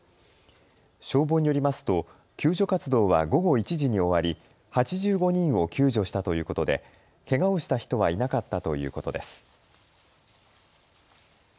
消防によりますと救助活動は午後１時に終わり、８５人を救助したということでけがをした人はいなかったということです。